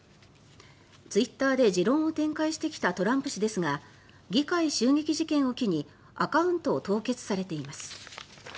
ツイッターで持論を展開してきたトランプ氏ですが議会襲撃事件を機にアカウントを凍結されています。